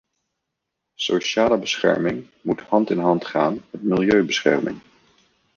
Sociale bescherming moet hand in hand gaan met milieubescherming.